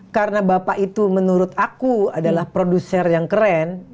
karena bapak itu menurut aku adalah produser yang keren